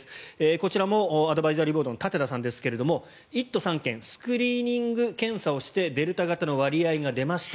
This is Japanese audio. こちらもアドバイザリーボードの舘田さんですが１都３県スクリーニング検査をしてデルタ型の割合が出ました。